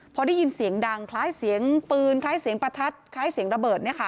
พอได้ยินเสียงดังคล้ายเสียงปืนคล้ายเสียงประทัดคล้ายเสียงระเบิด